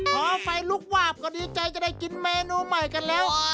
พอไฟลุกวาบก็ดีใจจะได้กินเมนูใหม่กันแล้ว